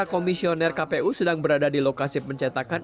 komisioner kpu sedang berada di lokasi pencetakan